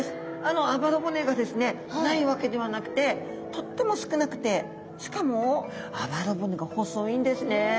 あばら骨がですねないわけではなくてとっても少なくてしかもあばら骨が細いんですね。